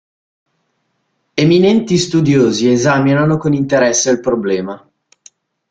Eminenti studiosi esaminano con interesse il problema.